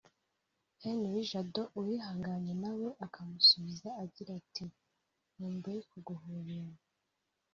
Henri Jado Uwihanganye nawe akamusubiza agira ati “nkumbuye kuguhobera